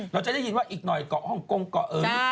เราจะได้ยินว่าอีกหน่อยก่อห่องกงก่อเอิร์นลิฟท์